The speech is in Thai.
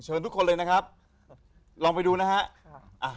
ทุกคนเลยนะครับลองไปดูนะฮะ